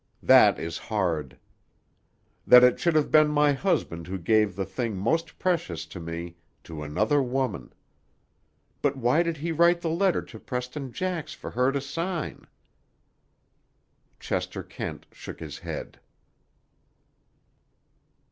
That is hard. That it should have been my husband who gave the thing most precious to me to another woman! But why did he write the letter to Preston Jax for her to sign?" Chester Kent shook his head.